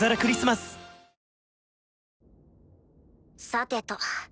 さてと。